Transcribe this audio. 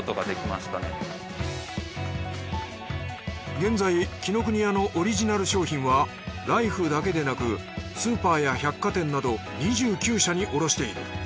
現在紀ノ国屋のオリジナル商品はライフだけでなくスーパーや百貨店など２９社に卸している。